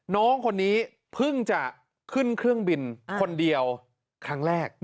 น้องคนนี้เพิ่งจะขึ้นเครื่องบินคนเดียวครั้งแรก